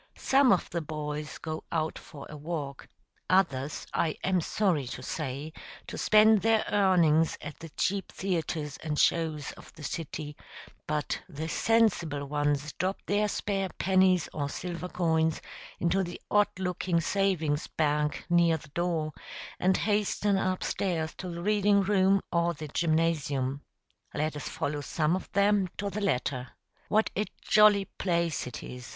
] Some of the boys go out for a walk, others, I am sorry to say, to spend their earnings at the cheap theatres and shows of the city; but the sensible ones drop their spare pennies or silver coins into the odd looking savings bank near the door, and hasten up stairs to the reading room or the gymnasium. Let us follow some of them to the latter. What a jolly place it is!